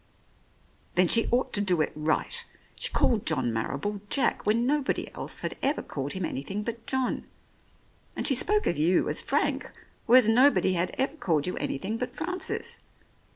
"Then she ought to do it right. She called John Marrible, Jack, when nobody else had ever called him anything but John ; and she spoke of you as Frank, whereas nobody had ever called you anything but Francis.